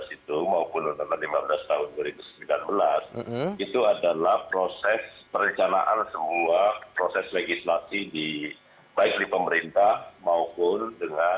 itu maupun lima belas tahun dua ribu sembilan belas itu adalah proses perencanaan sebuah proses legislasi di baik di pemerintah maupun dengan